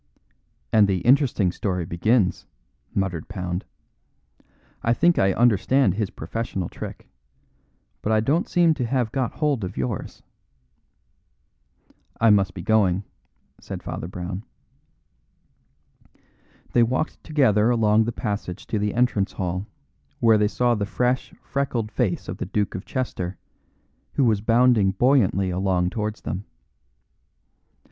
"And the interesting story begins," muttered Pound. "I think I understand his professional trick. But I don't seem to have got hold of yours." "I must be going," said Father Brown. They walked together along the passage to the entrance hall, where they saw the fresh, freckled face of the Duke of Chester, who was bounding buoyantly along towards them.